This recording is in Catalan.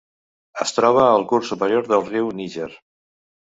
Es troba al curs superior del riu Níger.